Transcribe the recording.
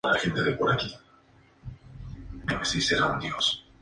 La expedición estuvo castigada desde el principio por la mala suerte.